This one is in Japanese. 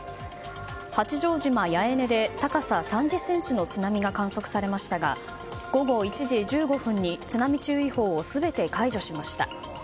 八丈島八重根で高さ３０ｃｍの津波が観測されましたが午後１時１５分に津波注意報を全て解除しました。